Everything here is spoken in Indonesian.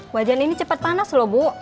wajan ini cepat panas loh bu